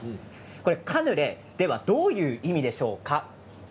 カヌレどういう意味でしょうか？